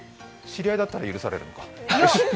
知り合いだったら許されるのか。